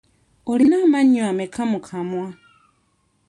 Olina amannyo ameka mu kwamwa?